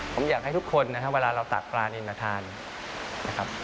ผมอยากให้ทุกคนนะครับเวลาเราตักปลานินมาทานนะครับ